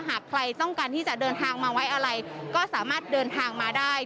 หากใครต้องการที่จะเดินทางมาไว้อะไรก็สามารถเดินทางมาได้